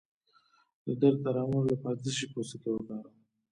د درد د ارامولو لپاره د څه شي پوستکی وکاروم؟